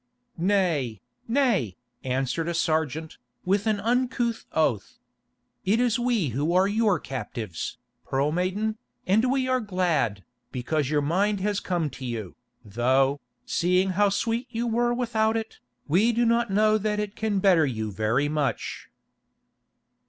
"Nay, nay," answered a sergeant, with an uncouth oath. "It is we who are your captives, Pearl Maiden, and we are glad, because your mind has come to you, though, seeing how sweet you were without it, we do not know that it can better you very much."